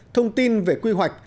thông tin về quy hoạch